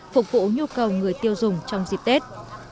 phục vụ nhu cầu người tiêu dùng trong dịp tết